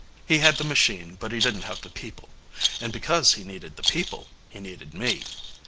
He had the Machine, but he didn't have the People. And, because he needed the People, he needed me.